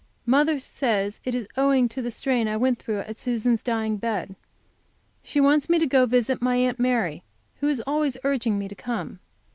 Mother says it is owing to the strain I went through at Susan's dying bed. She wants me to go to visit my aunt Mary, who is always urging me to come.